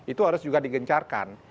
itu harus juga digencarkan